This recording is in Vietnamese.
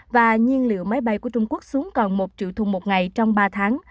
và nhiên liệu máy bay của trung quốc xuống còn một triệu thùng một ngày trong ba tháng